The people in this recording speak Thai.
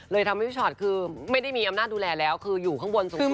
ทำให้พี่ชอตคือไม่ได้มีอำนาจดูแลแล้วคืออยู่ข้างบนสูง